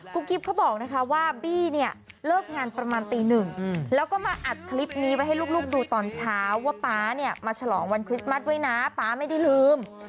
กิ๊บเขาบอกนะคะว่าบี้เนี่ยเลิกงานประมาณตีหนึ่งแล้วก็มาอัดคลิปนี้ไว้ให้ลูกดูตอนเช้าว่าป๊าเนี่ยมาฉลองวันคริสต์มัสไว้นะป๊าไม่ได้ลืม